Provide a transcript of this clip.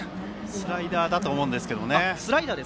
スライダーだと思うんですが。